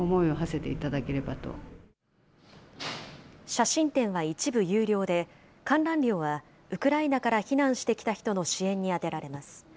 写真展は一部有料で、観覧料はウクライナから避難してきた人の支援に充てられます。